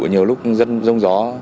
nhiều lúc dân rông gió